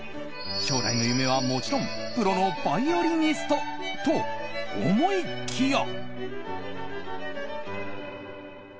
将来の夢はもちろんプロのバイオリニストと思いきや。